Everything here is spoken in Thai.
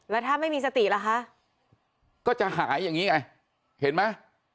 แล้วถ้าไม่มีสติล่ะคะก็จะหายอย่างนี้ไงเห็นไหม